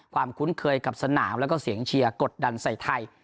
คุ้นเคยกับสนามแล้วก็เสียงเชียร์กดดันใส่ไทย